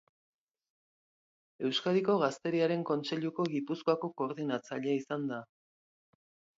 Euskadiko Gazteriaren Kontseiluko Gipuzkoako koordinatzailea izan da.